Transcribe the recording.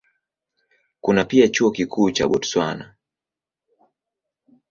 Kuna pia Chuo Kikuu cha Botswana.